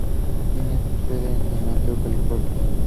Tiene su sede en San Mateo, California.